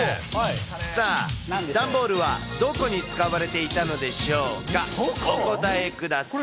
さあ、段ボールはどこに使われていたのでしょうか、お答えください。